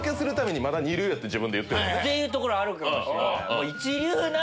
っていうところあるかもしれない。